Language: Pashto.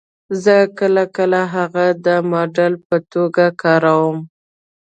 زه کله کله هغه د ماډل په توګه کاروم